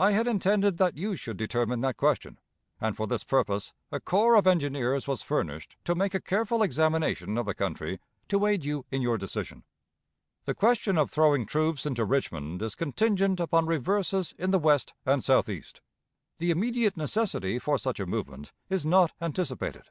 I had intended that you should determine that question; and for this purpose a corps of engineers was furnished to make a careful examination of the country to aid you in your decision. "The question of throwing troops into Richmond is contingent upon reverses in the West and Southeast. The immediate necessity for such a movement is not anticipated.